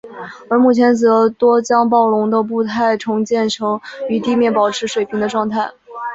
而目前则多将暴龙的步态重建成与地面保持水平的状态。